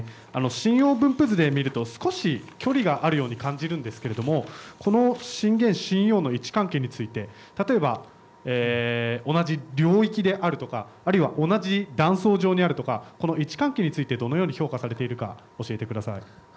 震央分布図で見ると少し距離があるように感じるんですけれどこの震源震央の位置関係について例えば同じ領域であるとか同じ断層上にあるとか位置関係についてどのように評価されているか教えてください。